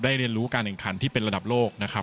เรียนรู้การแข่งขันที่เป็นระดับโลกนะครับ